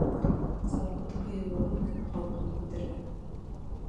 Салауат ҡыйыулығы менән халҡын күтәргән.